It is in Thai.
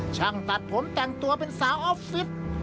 ช่างตัดผมแต่งตัวเป็นสาวออฟฟิศ